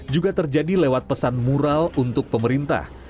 juga terjadi lewat pesan moral untuk pemerintah